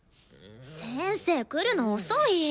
先生来るの遅い！